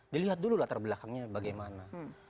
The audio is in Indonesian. dilihat dulu latar belakangnya bagaimana